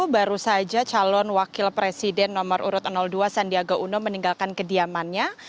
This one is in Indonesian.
baru saja calon wakil presiden nomor urut dua sandiaga uno meninggalkan kediamannya